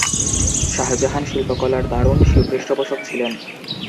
শাহজাহান শিল্পকলার দারুণ পৃষ্ঠপোষক ছিলেন।